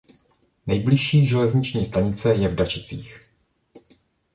Nejbližší železniční stanice je v Dačicích.